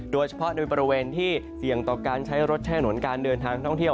โดยเฉพาะในบริเวณที่เสี่ยงต่อการใช้รถแช่หนุนการเดินทางท่องเที่ยว